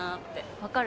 分かる。